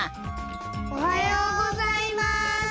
おはようございます！